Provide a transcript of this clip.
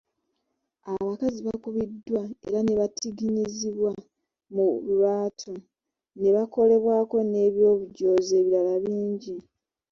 Abakazi bakubiddwa era ne batigiinyizibwa mu lwatu ne bakolebwako n’eby’obujoozi ebirala bingi.